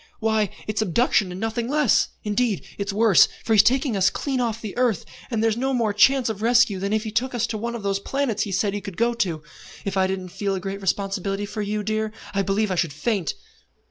Why, it's abduction and nothing less. Indeed it's worse, for he's taken us clean off the earth, and there's no more chance of rescue than if he took us to one of those planets he said he could go to. If I didn't feel a great responsibility for you, dear, I believe I should faint."